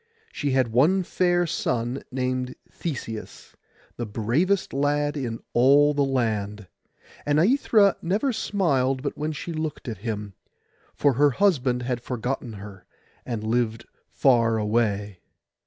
She had one fair son, named Theseus, the bravest lad in all the land; and Aithra never smiled but when she looked at him, for her husband had forgotten her, and lived far away.